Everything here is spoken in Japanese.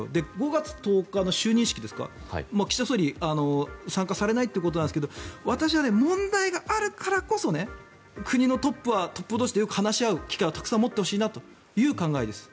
５月１０日の就任式岸田総理は参加されないということなんですが私は問題があるからこそ国のトップはトップ同士でよく話し合う機会を持ってほしいなという考えです。